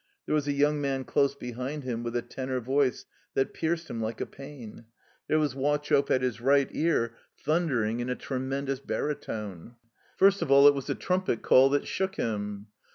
There was a yotmg man dose behind him with a tenor voice that pierced him like a pain. There was Wau chope at his right ear thundering in a tremendous barytone. First of all it was a trumpet call that shook him.